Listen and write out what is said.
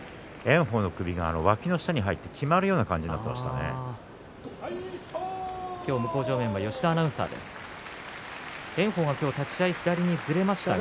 炎鵬の首がわきの下に入ってきまるような形になっていました。